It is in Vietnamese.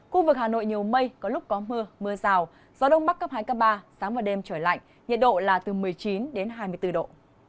khu vực hà nội nhiều mây có lúc có mưa mưa rào gió đông bắc cấp hai cấp ba sáng và đêm trời lạnh nhiệt độ là từ một mươi chín đến hai mươi bốn độ